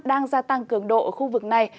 đang gia tăng cường độ ở khu vực này